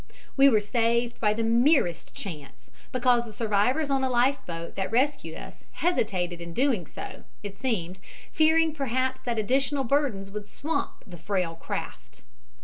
We were saved by the merest chance, because the survivors on a life boat that rescued us hesitated in doing so, it seemed, fearing perhaps that additional burdens would swamp the frail craft.